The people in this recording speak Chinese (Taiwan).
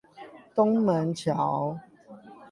東門橋